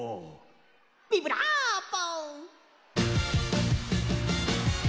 ビブラーボ！